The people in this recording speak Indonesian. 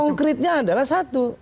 ya konkretnya adalah satu